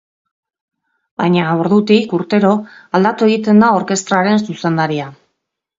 Baina, ordutik, urtero aldatu egiten da orkestraren zuzendaria.